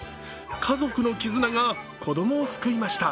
家族の絆が子供を救いました。